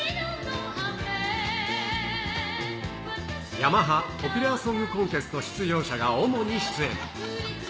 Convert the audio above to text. ヤマハポピュラーソングコンテスト出場者が主に出演。